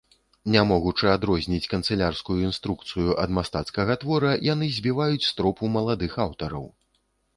Не могучы адрозніць канцылярскую інструкцыю ад мастацкага твора, яны збіваюць з тропу маладых аўтараў.